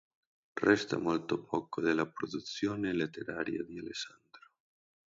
Resta molto poco della produzione letteraria di Alessandro.